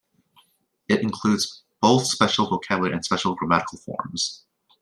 It includes both special vocabulary and special grammatical forms.